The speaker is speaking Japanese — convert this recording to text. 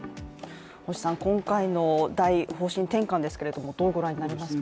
星さん、今回の大方針転換ですけれどもどうご覧になりますか。